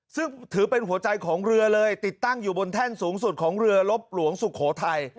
ซึ่งถือเป็นหัวใจของเรือเลยติดตั้งอยู่บนแท่นสูงสุดของเรือลบหลวงสุโขทัย